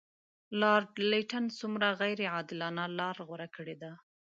لارډ لیټن څومره غیر عادلانه لار غوره کړې ده.